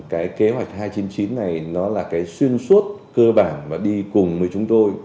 cái kế hoạch hai trăm chín mươi chín này nó là cái xuyên suốt cơ bản và đi cùng với chúng tôi